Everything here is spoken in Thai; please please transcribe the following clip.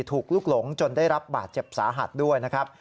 ลูกหลงจนได้รับบาดเจ็บสาหัสด้วยนะครับ